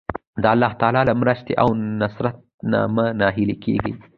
د الله تعالی له مرستې او نصرت نه مه ناهیلی کېږه.